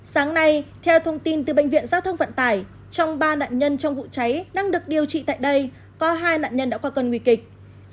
sáng nay theo thông tin từ bệnh viện giao thông vận tải trong ba nạn nhân trong vụ cháy đang được điều trị tại đây có hai nạn nhân đã qua cơn nguy kịch